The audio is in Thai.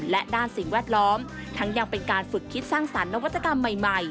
และด้านสิ่งแวดล้อมทั้งยังเป็นการฝึกคิดสร้างสรรคนวัตกรรมใหม่